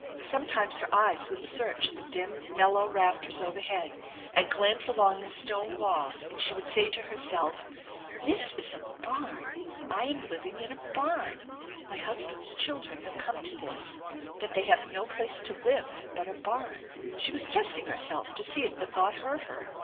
Sometimes her eyes would search the dim, mellow rafters overhead, and glance along the stone walls, and she would say to herself :" This is a barn ! I am living in a barn ! My husband's children have come to this, that they have no place to live but a barn !" She was testing herself to see if the thought hurt her.